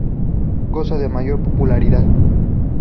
Goza de mayor popularidad.